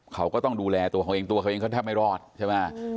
เขาก็ต้องดูแลตัวเขาเองตัวเขาเองก็แทบไม่รอดใช่ไหม